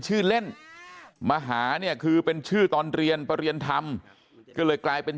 ชื่อเล่นมาหาเนี่ยคือเป็นชื่อตอนเรียนไปเรียนธรรมก็เลยกลายเป็น